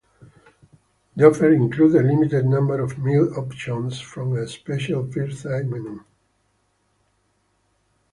The offer included a limited number of meal options from a special birthday menu.